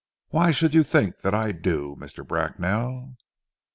"Why should you think that I do, Mr. Bracknell?"